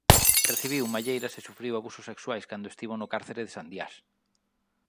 Recibiu malleiras e sufriu abusos sexuais cando estivo no cárcere de Sandiás.